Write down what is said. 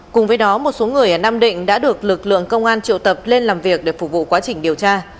cùng với đó một số người ở nam định đã được lực lượng công an triệu tập lên làm việc để phục vụ quá trình điều tra